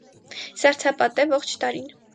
Սառցապատ է ողջ տարին։